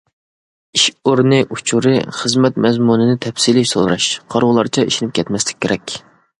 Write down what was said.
ئىش ئورنى ئۇچۇرى، خىزمەت مەزمۇنىنى تەپسىلىي سوراش، قارىغۇلارچە ئىشىنىپ كەتمەسلىك كېرەك.